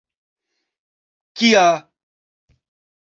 Kia...